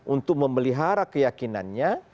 untuk memelihara keyakinannya